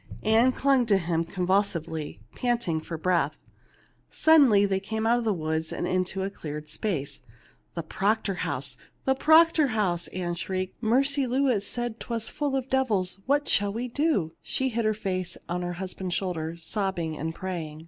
Ann clung to him convulsively, panting for breath. Suddenly they came out of the woods into a cleared space. " The Proctor house ! the Proctor house !" Ann shrieked. " Mercy Lewis said 'twas full of devils. What shall we do ?" She hid her face on her husband's shoulder, sobbing and praying.